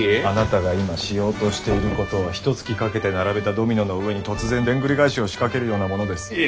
あなたが今しようとしていることはひとつきかけて並べたドミノの上に突然でんぐり返しを仕掛けるようなものです。